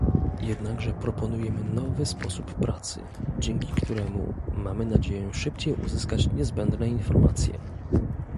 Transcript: Jednakże proponujemy nowy sposób pracy, dzięki któremu, mamy nadzieję szybciej uzyskać niezbędne informacje